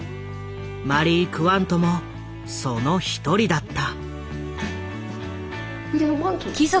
マリー・クワントもその一人だった。